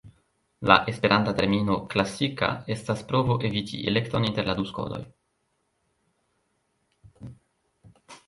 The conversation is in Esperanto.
La esperanta termino "klasika" estas provo eviti elekton inter la du skoloj.